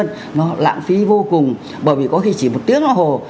nó lãng phí vô cùng bởi vì có khi chỉ một tiếng nó hồ